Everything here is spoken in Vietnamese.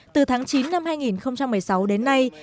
từ tháng chín năm hai nghìn một mươi sáu đến nay